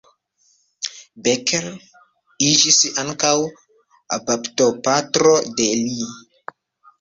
Becker iĝis ankaŭ baptopatro de li.